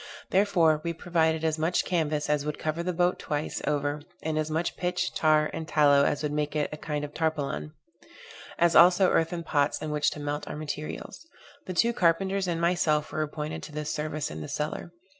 Therefore, we provided as much canvas as would cover the boat twice over, and as much pitch, tar and tallow, as would make it a kind of tarpaulin; as also earthen pots in which to melt our materials. The two carpenters and myself were appointed to this service in the cellar.